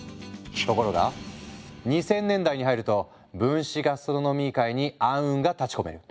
ところが２０００年代に入ると分子ガストロノミー界に暗雲が立ちこめる。